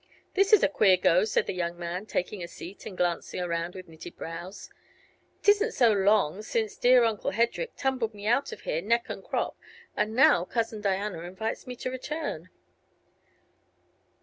"This is a queer go," said the young man, taking a seat and glancing around with knitted brows. "It isn't so long since dear Uncle Hedrik tumbled me out of here neck and crop; and now Cousin Diana invites me to return."